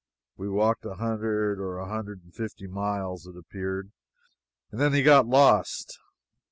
We walked a hundred or a hundred and fifty miles, it appeared to me, and then he got lost.